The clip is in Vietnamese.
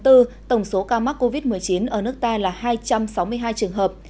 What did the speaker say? tổng số ca mắc covid một mươi chín ở nước ta là hai trăm sáu mươi hai trường hợp